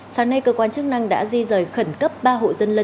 sáng nay cơ quan chức năng đã di rời khẩn cấp ba hộ dân lân